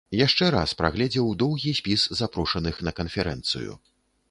Яшчэ раз прагледзеў доўгі спіс запрошаных на канферэнцыю.